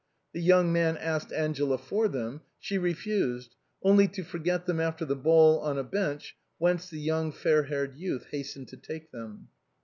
The young man asked Angela for them; she refused — only to forget them after the ball on a bench, whence the young fair haired youth hastened to take them.